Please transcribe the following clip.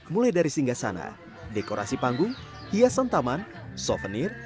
mulai dari singgah sana dekorasi panggung hiasan taman souvenir